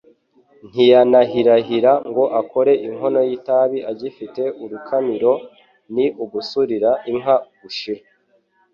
Ntiyanahirahira ngo akore inkono y’itabi agifite urukamiro, ni ugusurira inka gushira